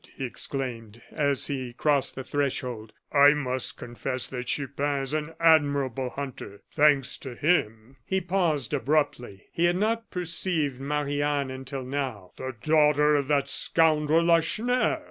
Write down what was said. he exclaimed, as he crossed the threshold, "I must confess that Chupin is an admirable hunter. Thanks to him " He paused abruptly; he had not perceived Marie Anne until now. "The daughter of that scoundrel Lacheneur!"